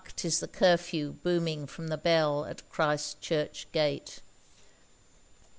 't is the curfew booming from the bell at Christ Church gate.